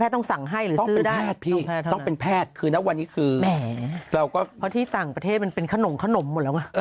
แพทย์ต้องสั่งให้หรือซื้อได้ต้องแพทย์เท่านั้นแม่งพอที่ส่างประเทศเป็นขนมหมดแล้วไหม